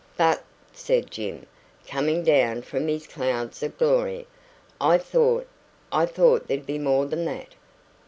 "But," said Jim, coming down from his clouds of glory, "I thought I thought there'd be more than that."